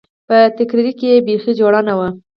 په تقرير کښې يې بيخي جوړه نه وه.